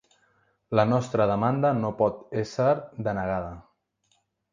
La nostra demanda no pot ésser denegada.